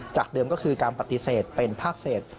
เดิมก็คือการปฏิเสธเป็นภาคเศษ